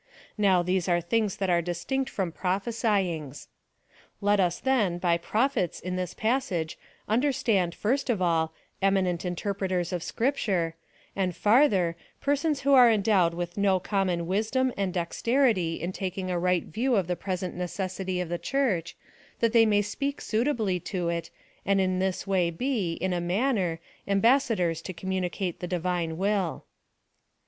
Now these are things that are distinct from prophesyings.^ Let us, then, by Prophets in this passage understand, first of all, eminent interpreters of Scripture, and farther, persons who are en dowed with no common wisdom and dexterity in taking a right view of the present necessity of the Church, that they may speak suitably to it, and in this way be, in a manner, ambassadors to communicate the divine will.